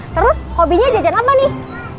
terus hobinya jajan apa nih